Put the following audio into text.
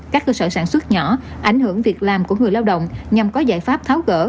các cơ sở sản xuất nhỏ ảnh hưởng việc làm của người lao động nhằm có giải pháp tháo gỡ